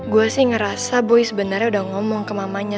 gue sih ngerasa boy sebenarnya udah ngomong ke mamanya